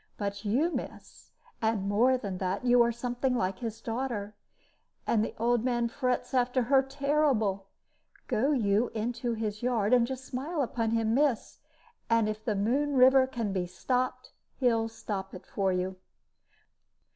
But you, miss and more than that, you are something like his daughter; and the old man frets after her terrible. Go you into his yard, and just smile upon him, miss, and if the Moon River can be stopped, he'll stop it for you."